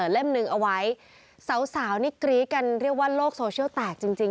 เล่มหนึ่งเอาไว้สาวนี่กรี๊ดกันเรียกว่าโลกโซเชียลแตกจริง